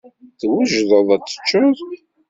Twejdeḍ ad tecceḍ?